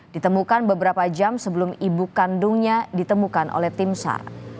ditemukan beberapa jam sebelum ibu kandungnya ditemukan oleh tim sar